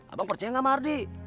abang percaya sama ardi